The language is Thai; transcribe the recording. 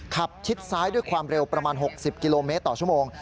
ชิดซ้ายด้วยความเร็วประมาณ๖๐กิโลเมตรต่อชั่วโมง